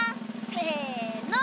せの。